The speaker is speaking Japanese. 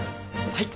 はい。